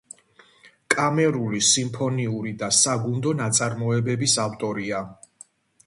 კამერული, სიმფონიური და საგუნდო ნაწარმოებების ავტორია.